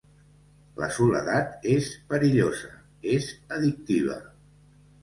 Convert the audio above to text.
La soledat és perillosa, és addictiva.